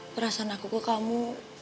perasaan aku ke kamu